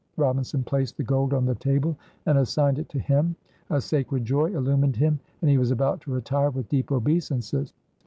Robinson placed the gold on the table and assigned it to him. A sacred joy illumined him, and he was about to retire with deep obeisances.